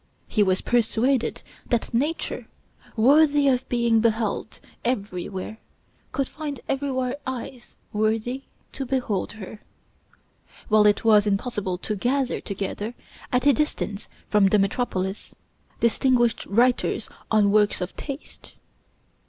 He was persuaded that nature, worthy of being beheld everywhere, could find everywhere eyes worthy to behold her; while it was impossible to gather together, at a distance from the metropolis, distinguished writers on works of taste.